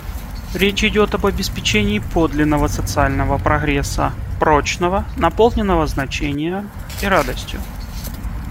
Речь идет об обеспечении подлинного социального прогресса, — прочного, наполненного значением и радостью.